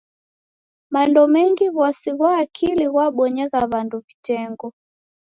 Mando mengi w'asi ghwa akili ghwabonyagha w'andu w'itengo.